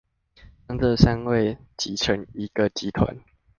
將這三位結成一個集團